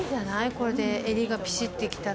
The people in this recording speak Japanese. これで襟がぴしってきたら。